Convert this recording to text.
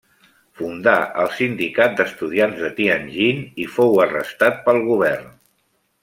Fundà el sindicat d'estudiants de Tianjin i fou arrestat pel govern.